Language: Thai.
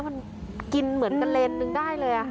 มันกินเหมือนเกรนหนึ่งได้เลย